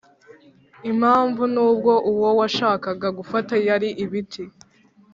'impamvu nubwo uwo washakaga gufata yari ibiti